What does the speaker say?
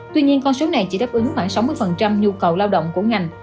tuy nhiên con số này chỉ đáp ứng khoảng sáu mươi nhu cầu lao động của ngành